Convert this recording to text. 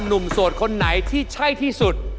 โสดคนไหนที่ใช่ที่สุด